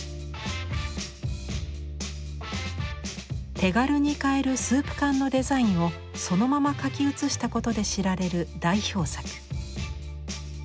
手軽に買えるスープ缶のデザインをそのまま描き写したことで知られる代表作。